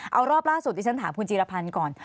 เอารอบล่าสุดที่ฉันถามคุณจีรพันธ์ก่อน